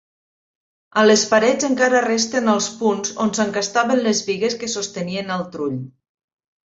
A les parets encara resten els punts on s'encastaven les bigues que sostenien el trull.